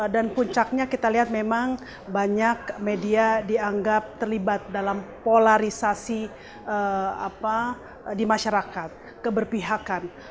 dan puncaknya kita lihat memang banyak media dianggap terlibat dalam polarisasi di masyarakat keberpihakan